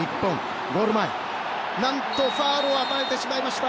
ゴール前、何とファウルを与えてしまいました。